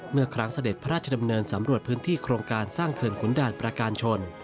เมื่อครั้งเสด็จพระราชดำเนินสำรวจพื้นที่โครงการสร้างเขื่อนขุนด่านประการชน